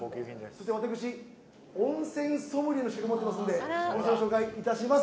私、温泉ソムリエの資格を持ってますのでご紹介いたします。